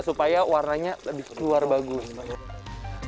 supaya warnanya lebih keluar bagus